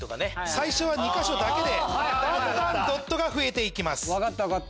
最初は２か所だけでだんだんドットが増えていきます。